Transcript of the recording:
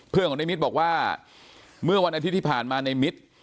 ของในมิตรบอกว่าเมื่อวันอาทิตย์ที่ผ่านมาในมิตร